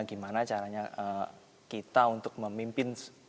gimana caranya kita untuk memimpin